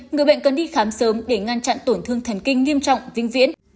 người bệnh cần đi khám sớm để ngăn chặn tổn thương thần kinh nghiêm trọng vĩnh viễn